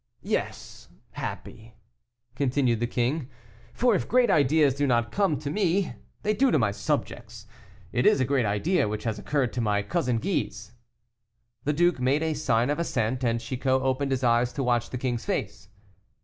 "Yes, happy," continued the king, "for if great ideas do not come to me, they do to my subjects. It is a great idea which has occurred to my cousin Guise." The duke make a sign of assent, and Chicot opened his eyes to watch the king's face.